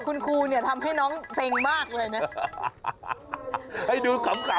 คุณครูเนี่ยทำให้น้องเซ็งมากเลยนะ